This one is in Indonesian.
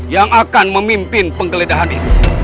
yang akan memimpin penggeledahan ini